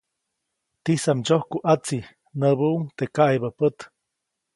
¡Tisam ndsyoku ʼatsi! näbuʼuŋ teʼ kaʼebä pät.